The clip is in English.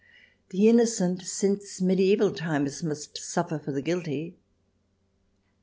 The innocent, since medieval times, must suffer for the guilty.